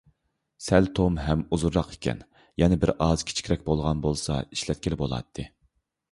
سەل توم ھەم ئۇزۇنراق ئىكەن، يەنە بىرئاز كىچىكرەك بولغان بولسا ئىشلەتكىلى بولاتتى.